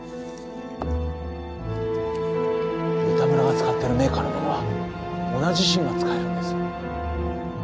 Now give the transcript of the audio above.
三田村が使ってるメーカーのものは同じ芯が使えるんです。